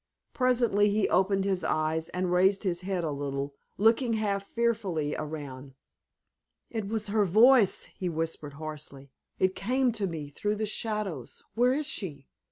Presently he opened his eyes, and raised his head a little, looking half fearfully around. "It was her voice," he whispered, hoarsely. "It came to me through the shadows! Where is she?